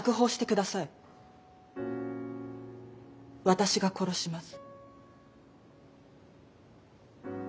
私が殺します。